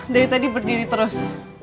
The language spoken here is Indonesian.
dari tadi berdiri terus